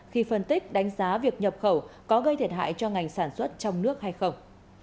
khi phân tích đánh giá việc nhập khẩu có gây thiệt hại cho ngành sản xuất trong nước hay không